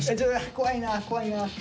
怖いな怖いな。